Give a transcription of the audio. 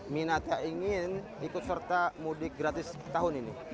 minat yang ingin ikut serta mudik gratis tahun ini